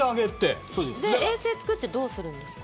衛星作ってどうするんですか。